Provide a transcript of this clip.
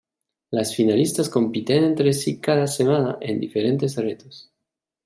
Las finalistas compiten entre sí cada semana en diferentes retos.